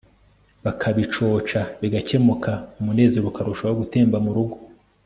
bakabicoca bigakemuka umunezero ukarushaho gutemba mu rugo